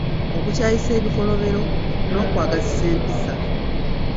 Okukyayisa ebikolobero n’okwagazisa empisa